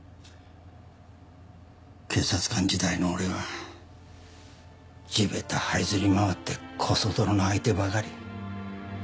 警察官時代の俺は地べた這いずり回ってコソ泥の相手ばかり。